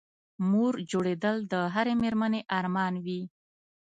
مور جوړېدل د هرې مېرمنې ارمان وي